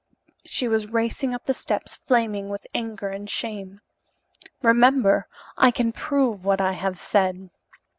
She was racing up the steps, flaming with anger and shame. "Remember, I can prove what I have said.